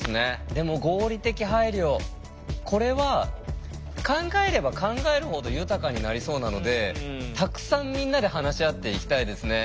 でも合理的配慮これは考えれば考えるほど豊かになりそうなのでたくさんみんなで話し合っていきたいですね。